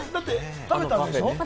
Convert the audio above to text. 食べたんでしょ？